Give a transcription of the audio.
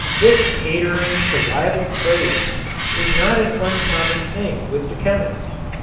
This catering to rival trades is not an uncommon thing with the chemist.